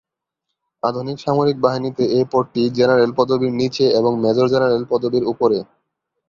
আধুনিক সামরিক বাহিনীতে এ পদটি জেনারেল পদবীর নিচে এবং মেজর জেনারেল পদবীর উপরে।